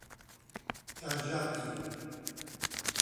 Cajati